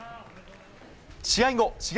試合後